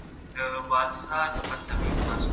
د انسان ژوند ته باید په کومه سترګه درناوی وشي؟